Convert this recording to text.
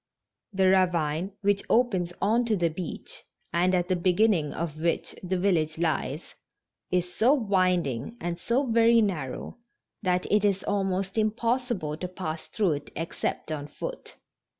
The ravine which opens onto the beach, and at the beginning of which the village lies, is so winding and so very narrow, that it is almost impossible to pass through it except on foot.